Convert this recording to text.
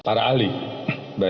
rekan rekan dari kejaksaan